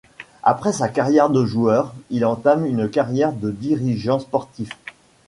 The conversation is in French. Après sa carrière de joueur, il entame une carrière de dirigeant sportif.